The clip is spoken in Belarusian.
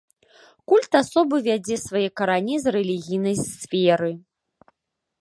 Культ асобы вядзе свае карані з рэлігійнай сферы.